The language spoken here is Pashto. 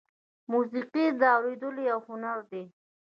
موسیقي د اورېدلو یو هنر دی.